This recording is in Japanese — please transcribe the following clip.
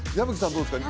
どうですか？